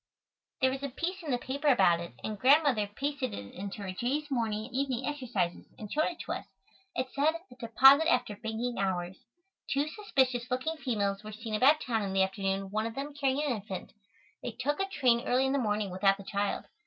There was a piece in the paper about it, and Grandmother pasted it into her "Jay's Morning and Evening Exercises," and showed it to us. It said, "A Deposit After Banking Hours." "Two suspicious looking females were seen about town in the afternoon, one of them carrying an infant. They took a train early in the morning without the child.